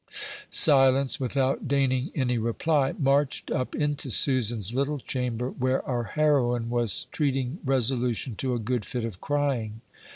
Silence, without deigning any reply, marched up into Susan's little chamber, where our heroine was treating resolution to a good fit of crying.